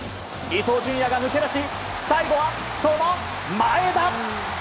伊東純也が抜け出し最後は前田！